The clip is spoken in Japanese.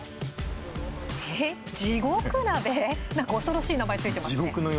なんか恐ろしい名前付いてますね。